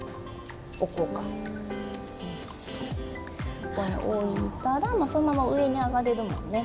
そこに置いたらそのまま上に上がれるもんね。